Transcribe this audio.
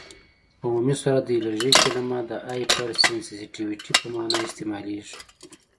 په عمومي صورت د الرژي کلمه د هایپرسینسیټیويټي په معنی استعمالیږي.